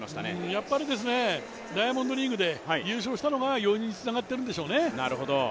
やっぱりダイヤモンドリーグで優勝したのが余裕につながってるんでしょうね。